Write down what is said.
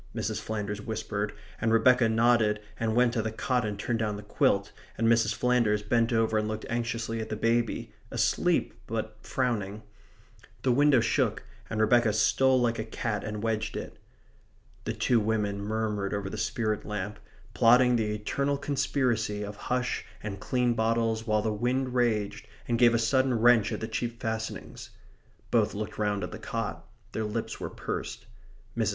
Mrs. Flanders whispered, and Rebecca nodded and went to the cot and turned down the quilt, and Mrs. Flanders bent over and looked anxiously at the baby, asleep, but frowning. The window shook, and Rebecca stole like a cat and wedged it. The two women murmured over the spirit lamp, plotting the eternal conspiracy of hush and clean bottles while the wind raged and gave a sudden wrench at the cheap fastenings. Both looked round at the cot. Their lips were pursed. Mrs.